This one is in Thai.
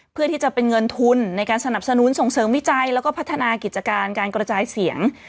เพื่อที่จะเป็นเงินทุนในการสนับสนุนส่งเสริมวิจัยแล้วก็พัฒนากิจการการกระจายเสียง